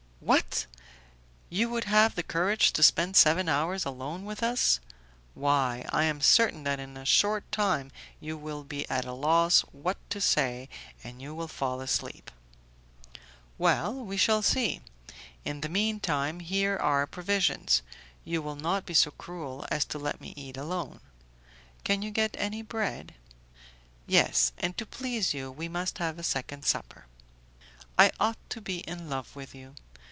"What! you would have the courage to spend seven hours alone with us? Why, I am certain that in a short time you will be at a loss what to say, and you will fall asleep." "Well, we shall see. In the mean time here are provisions. You will not be so cruel as to let me eat alone? Can you get any bread?" "Yes, and to please you we must have a second supper." "I ought to be in love with you.